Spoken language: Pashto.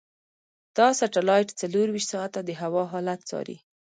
دا سټلایټ څلورویشت ساعته د هوا حالت څاري.